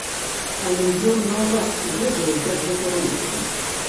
Але ён наўрад ці ведае, як гэта робіцца.